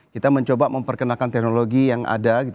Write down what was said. kita mencoba memperkenalkan teknologi yang ada gitu